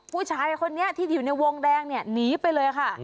ผู้ชายคนนี้ที่อยู่ในวงแดงเนี่ยหนีไปเลยค่ะ